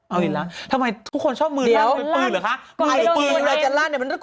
เอาอีกแล้วทำไมทุกคนชอบมือลั่น